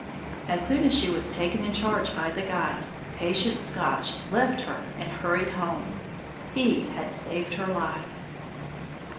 As soon as she was taken in charge by the guide, patient Scotch left her and hurried home. He had saved her life.